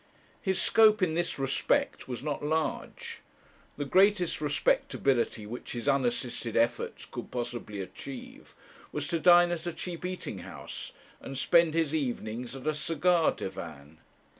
His scope in this respect was not large. The greatest respectability which his unassisted efforts could possibly achieve was to dine at a cheap eating house, and spend his evenings, at a cigar divan.